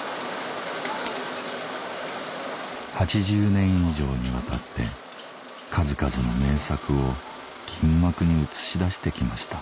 ８０年以上にわたって数々の名作を銀幕に映し出して来ました